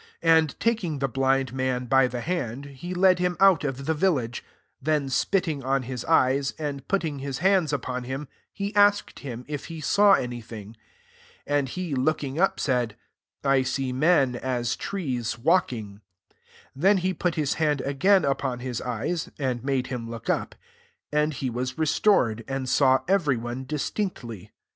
23 And taking the blind man by the hand, he led him out of the village : then spitting on his eyes, and putting his hunds upon him, he asked him if he saw any thing. 24 And he looking up, said, " I see men, as trees, walking." 25 Then he put hie hand again upon his eyes, [and made him look up :] and he was restored, and saw every one distinctly.